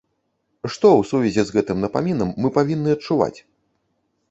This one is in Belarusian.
Што ў сувязі з гэтым напамінам мы павінны адчуваць?